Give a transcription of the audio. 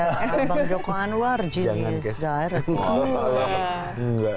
bang joko anwar jenis direct